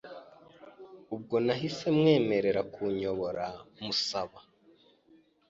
ubwo nahise mwemerera kunyobora musaba